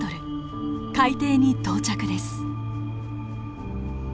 海底に到着です。